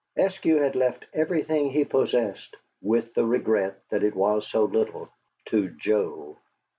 Eskew had left everything he possessed with the regret that it was so little to Joe.